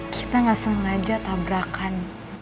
kita gak sengaja tabrakan